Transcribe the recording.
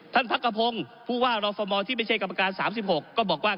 ท่านพระกระพงษ์พูดว่ารองฟอร์มอลที่ไปเชฟกรรมการตามมาตรา๓๖ก็บอกว่า